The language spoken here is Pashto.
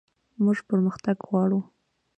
موږ پرمختګ غواړو